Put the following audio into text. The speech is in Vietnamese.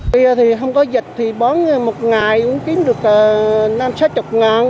bây giờ thì không có dịch thì bón một ngày cũng kiếm được năm sáu mươi ngàn